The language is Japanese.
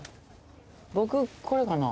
僕これかな。